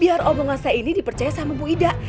biar omongan saya ini dipercaya sama bu ida